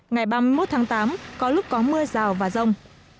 ngày ba mươi một tháng tám có lúc có mưa rào và rông